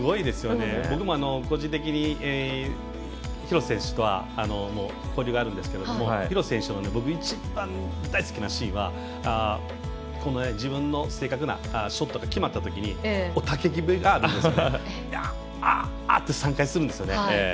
僕も個人的に廣瀬選手とは交流があるんですけれども廣瀬選手の僕一番大好きなシーンは自分の正確なショットが決まったときに雄たけびがあるんですね。